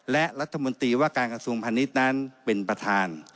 และรัฐมนตรีว่าการกระทรวงพาณิชย์นั้นเป็นประธาน